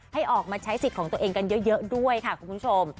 ให้ออกมาใช้สิทธิ์ของตัวเองกันเยอะด้วยค่ะคุณผู้ชม